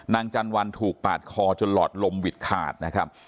จันวันถูกปาดคอจนหลอดลมหวิดขาดนะครับ